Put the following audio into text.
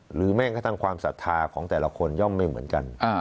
หรือแม่งก็ตามความศรัทธาของแต่ละคนย่อมไม่เหมือนกัน